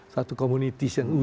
satu komunitas yang